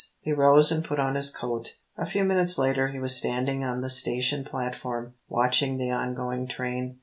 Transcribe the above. He rose and put on his coat. A few minutes later he was standing on the station platform, watching the on going train.